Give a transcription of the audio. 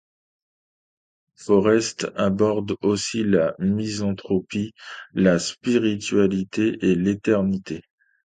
Forest aborde aussi la misanthropie, la spiritualité et l'éternité.